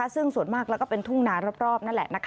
ซึ่งส่วนมากแล้วเป็นทุ่งนานรอบ